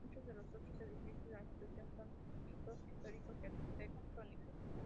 Muchos de los otros edificios de la Institución son hitos históricos y arquitectónicos.